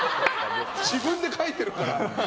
自分で書いてるから。